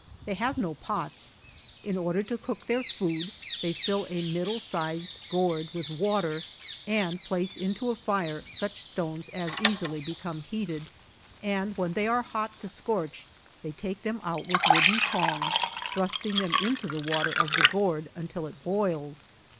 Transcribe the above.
They have no pots. In order to cook their food they fill a middle sized gourd with water, and place into a fire such stones as easily become heated, and when they are hot to scorch they take them out with wooden tongs, thrusting them into the water of the gourd, until it boils.